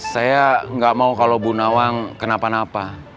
saya nggak mau kalau bu nawang kenapa napa